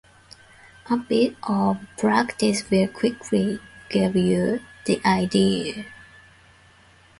A bit of practice will quickly give you the idea.